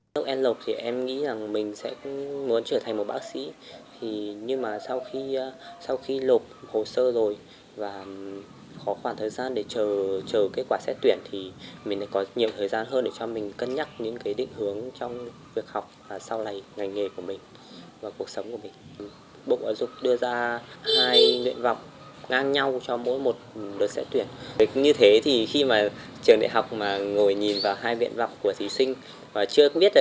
trường đại học mà ngồi nhìn vào hai miệng vọng của thí sinh chưa biết em sẽ chọn trường nào thì đó sẽ là một cái bất lợi cho trường đại học